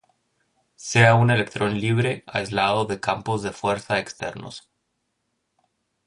Sea un electrón "libre" aislado de campos de fuerza externos.